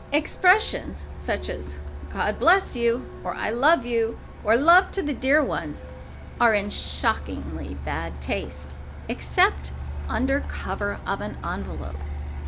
Expressions such as "God bless you!" or "I love you," or "Love to the dear ones," are in shockingly bad taste except under cover of an envelope.